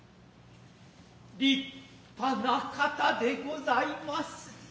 立派な方でございます。